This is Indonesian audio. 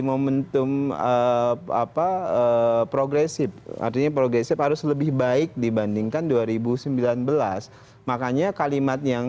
momentum apa progresif artinya progresif harus lebih baik dibandingkan dua ribu sembilan belas makanya kalimat yang